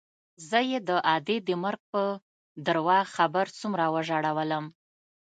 زه يې د ادې د مرګ په درواغ خبر څومره وژړولوم.